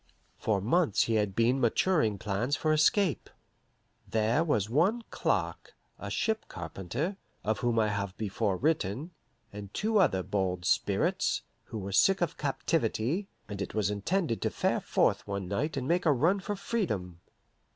For months he had been maturing plans for escape. There was one Clark, a ship carpenter (of whom I have before written), and two other bold spirits, who were sick of captivity, and it was intended to fare forth one night and make a run for freedom.